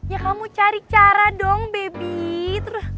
ya kamu cari cara dong baby